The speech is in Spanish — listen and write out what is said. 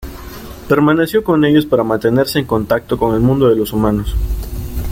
Permaneció con ellos para mantenerse en contacto con el mundo de los humanos.